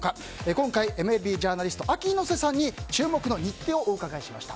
今回、ＭＬＢジャーナリストＡＫＩ猪瀬さんに注目の日程をお伺いしました。